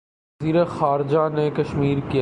وزیر خارجہ نے کشمیر کے